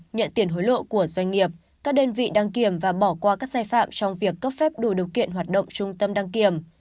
nhận tiền hối lộ của doanh nghiệp các đơn vị đăng kiểm và bỏ qua các sai phạm trong việc cấp phép đủ điều kiện hoạt động trung tâm đăng kiểm